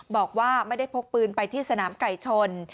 บอกว่าไม่ได้พกปืนไปที่สนามไก่ชน